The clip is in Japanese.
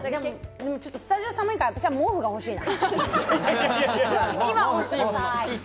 スタジオが寒いから私は毛布が欲しいな。